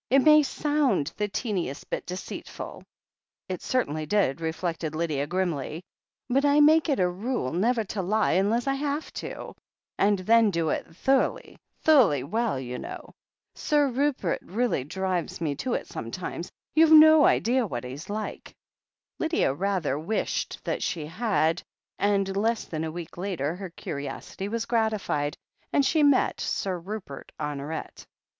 "It may sound the teeniest bit deceitful" — it certainly did, reflected Lydia grimly — "but I make it a rule never to lie unless I have to, and then do it thoroughly, thoroughly well, you know. Sir Rupert really drives me to it sometimes — ^you've no idea what he's like." Lydia rather wished that she had, and less than a week later her curiosity was gratified, and she met Sir Rupert Honoret.